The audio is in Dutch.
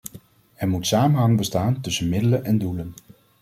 Er moet samenhang bestaan tussen middelen en doelen.